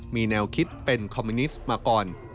มีแนวคิดเป็นคอมมิวนิสต์มาก่อน